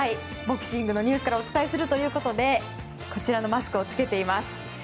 ボクシングのニュースからお伝えするということでこちらのマスクを着けています。